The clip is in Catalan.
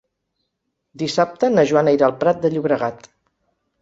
Dissabte na Joana irà al Prat de Llobregat.